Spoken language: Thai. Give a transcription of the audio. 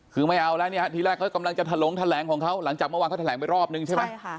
คือไม่เอาแล้วเนี่ยทีแรกเขากำลังจะถลงแถลงของเขาหลังจากเมื่อวานเขาแถลงไปรอบนึงใช่ไหม